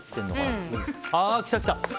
あ、来た来た！